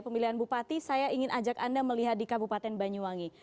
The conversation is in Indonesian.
pemilihan bupati saya ingin ajak anda melihat di kabupaten banyuwangi